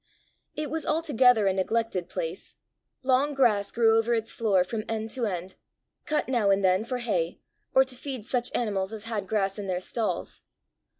It was altogether a neglected place. Long grass grew over its floor from end to end cut now and then for hay, or to feed such animals as had grass in their stalls.